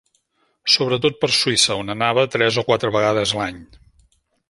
Sobretot per Suïssa on anava tres o quatre vegades l'any.